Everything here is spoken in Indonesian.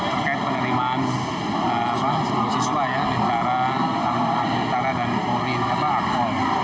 terkait penerimaan siswa ya antara agung tara dan polin atau agpol